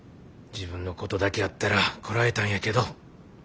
「自分のことだけやったらこらえたんやけど」